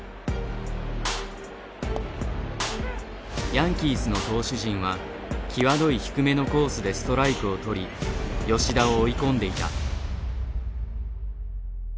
ヤンキースの投手陣は際どい低めのコースでストライクをとり吉田を追い込んでいた。